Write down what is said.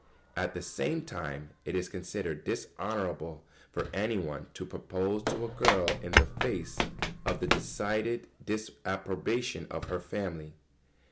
] At the same time it is considered dishonourable for any one to propose to a girl in the face of the decided disapprobation of her family.